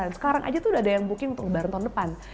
dan sekarang aja tuh udah ada yang booking untuk lebaran tahun depan